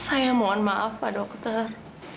saya mohon maaf pak dokter